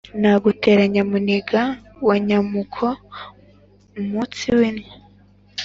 Nagutera Nyamuniga wa Nyamuko-Umutsi w'innyo.